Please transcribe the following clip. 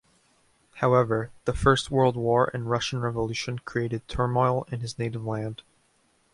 However, the first World War and Russian Revolution created turmoil in his native land.